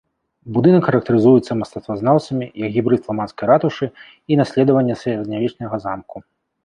Будынак характарызуецца мастацтвазнаўцамі як гібрыд фламандскай ратушы і наследавання сярэднявечнага замку.